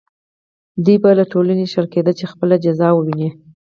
دوی به له ټولنې شړل کېدل چې خپله جزا وویني.